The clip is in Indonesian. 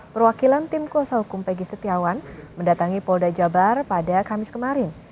perwakilan tim kuasa hukum pegi setiawan mendatangi polda jabar pada kamis kemarin